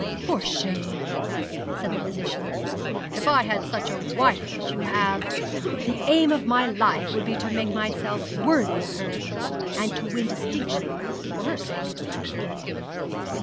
'For shame!' said the physician. 'If I had such a wife as you have, the aim of my life would be to make myself worthy of her, and to win distinction for her sake.'